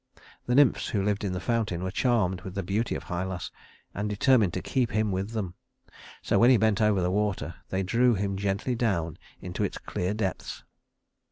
The nymphs who lived in the fountain were charmed with the beauty of Hylas, and determined to keep him with them; so when he bent over the water, they drew him gently down into its clear depths.